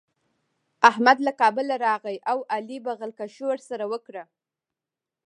احمد له کابله راغی او علي بغل کښي ورسره وکړه.